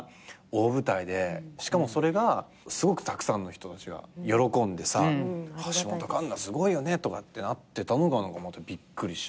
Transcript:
しかもそれがすごくたくさんの人たちが喜んでさ「橋本環奈すごいよね」ってなってたのがびっくりしちゃって。